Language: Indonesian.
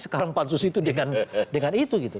sekarang pansus itu dengan itu gitu